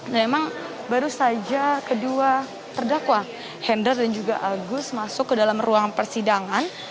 nah memang baru saja kedua terdakwa hendra dan juga agus masuk ke dalam ruang persidangan